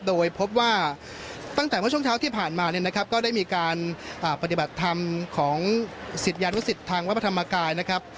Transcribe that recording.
โดยพบว่าตั้งแต่เมื่อช่วงเช้าที่ผ่านมาเนี่ยนะครับก็ได้มีการปฏิบัติธรรมของศิษยานุสิตทางวัดพระธรรมกายนะครับ